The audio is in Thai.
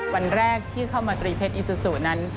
วันแรกที่เข้ามาตรีเพชรอีซูซูนั้น